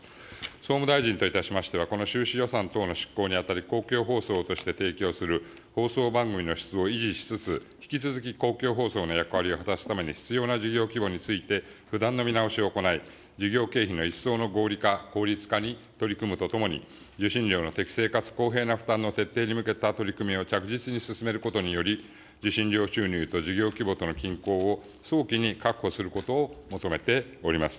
総務大臣といたしましては、この収支予算等の執行にあたり、公共放送として提供する放送番組の質を維持しつつ、引き続き公共放送の役割を果たすために必要な事業規模について、不断の見直しを行い、事業経費の一層の合理化、効率化に取り組むとともに、受信料の適正かつ公平な負担の徹底に向けた取り組みを着実に進めることにより、受信料収入と事業規模との均衡を早期に確保することを求めております。